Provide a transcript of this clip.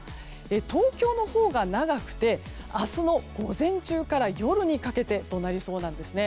東京のほうが長くて明日の午前中から夜にかけてとなりそうです。